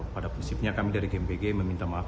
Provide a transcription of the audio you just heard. pada prinsipnya kami dari gmpg meminta maaf